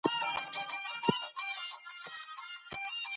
که پوهه وي نو په ژوند کې ویر نه وي.